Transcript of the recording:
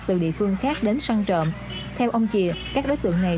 từ địa phương khác đến săn trộm theo ông chìa các đối tượng này